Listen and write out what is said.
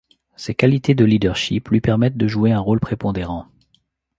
Ses qualités de leadership lui permettent de jouer un rôle prépondérant.